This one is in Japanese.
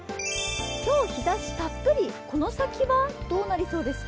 今日、日ざしたっぷり、この先はどうなりそうですか？